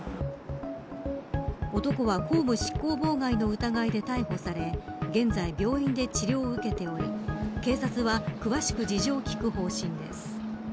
男は公務執行妨害の疑いで逮捕され現在、病院で治療を受けており警察は詳しく事情を聞く方針です。